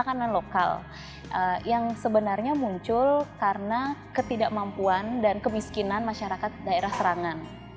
makanan lokal yang sebenarnya muncul karena ketidakmampuan dan kemiskinan masyarakat daerah serangan